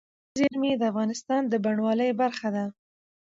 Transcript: طبیعي زیرمې د افغانستان د بڼوالۍ برخه ده.